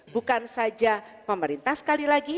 bukan saja pemerintah sekali lagi